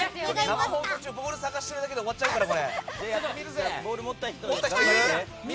生放送中ボール探してるだけで終わっちゃうからね。